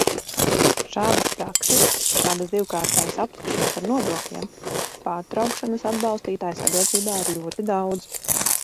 Šādas prakses, šādas divkārtējas aplikšanas ar nodokļiem, pārtraukšanas atbalstītāju sabiedrībā ir ļoti daudz.